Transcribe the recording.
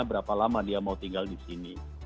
berapa lama dia mau tinggal di sini